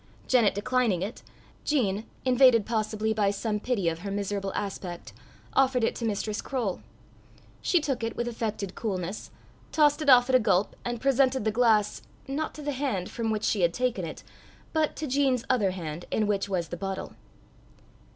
Janet declining it, Jean, invaded possibly by some pity of her miserable aspect, offered it to Mistress Croale. She took it with affected coolness, tossed it off at a gulp, and presented the glass not to the hand from which she had taken it, but to Jean's other hand, in which was the bottle.